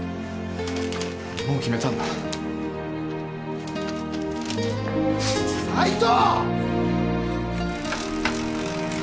もう決めたんだ斉藤！